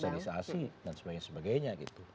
sosialisasi dan sebagainya gitu